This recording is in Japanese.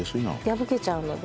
破けちゃうので。